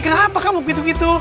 kenapa kamu gitu gitu